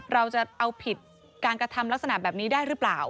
เราจะเอาผิดการกระทำลักษณะแบบนี้ได้หรือเปล่า